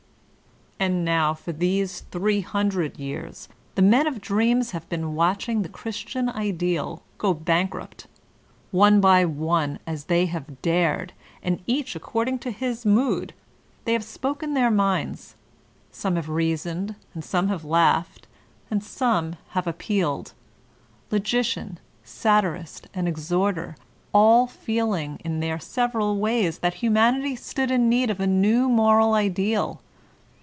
And now for these three hundred years the Men of Dreams have been watching the Christian Ideal go bank rupt. One by one as they have dared, and each accord ing to his mood, they have spoken their minds; some have reasoned, and some have laughed, and some have appealed, logician, satirist, and*exhorter all feeling in their several ways that humanity stood in need of a new moral ideal.